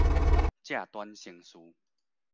藉端生事